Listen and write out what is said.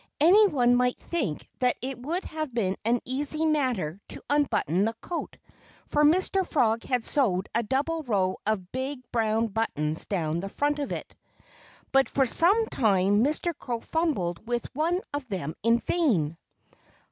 Anyone might think that it would have been an easy matter to unbutton the coat, for Mr. Frog had sewed a double row of big brown buttons down the front of it. But for some time Mr. Crow fumbled with one of them in vain.